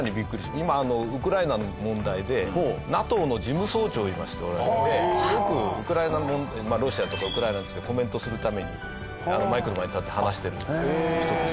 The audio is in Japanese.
今ウクライナの問題でＮＡＴＯの事務総長を今しておられてよくウクライナロシアとかウクライナについてコメントするためにマイクの前に立って話してる人です。